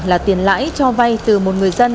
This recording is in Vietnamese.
là tiền lãi cho vay từ một người dân